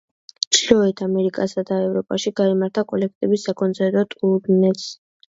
ჩრდილოეთ ამერიკასა და ევროპაში გაიმართა კოლექტივის საკონცერტო ტურნეც.